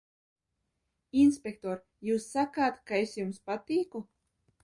Inspektor, jūs sakāt, ka es jums patīku?